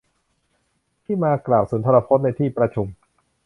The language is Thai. ที่มากล่าวสุนทรพจน์ในที่ประชุม